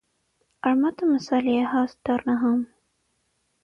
Արմատը մսալի է, հաստ, դառնահամ։